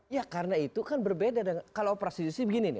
ya karena itu kan berbeda kalau operasi justi begini nih